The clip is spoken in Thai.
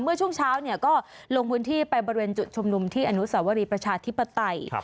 เมื่อช่วงเช้าก็ลงพื้นที่ไปบริเวณจุดชุมนุมที่อนุสาวรีประชาธิปไตย